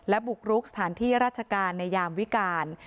บุกรุกสถานที่ราชการในยามวิการ